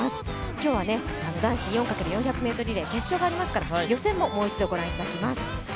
今日は男子４×４００ｍ決勝もありますから、予選ももう一度ご覧いただきます。